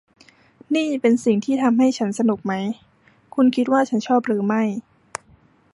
นี่เป็นสิ่งที่ทำให้ฉันสนุกไหม ? คุณคิดว่าฉันชอบหรือไม่